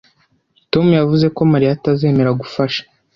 Tom yavuze ko Mariya atazemera gufasha